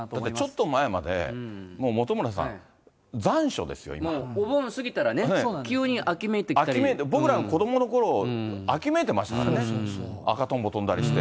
ちょっと前まで、本村さん、残暑ですよ、お盆過ぎたらね、秋めいて、僕らの子どものころ、秋めいてますからね、赤とんぼ飛んだりして。